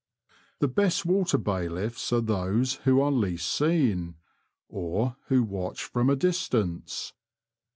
The best water bailiffs are those who are least seen, or who watch from a distance.